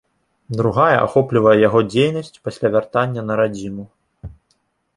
Другая ахоплівае яго дзейнасць пасля вяртання на радзіму.